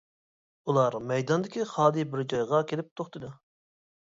ئۇلار مەيداندىكى خالىي بىر جايغا كېلىپ توختىدى.